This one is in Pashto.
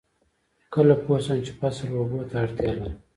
کله پوه شم چې فصل اوبو ته اړتیا لري؟